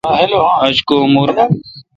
آج کو مور۔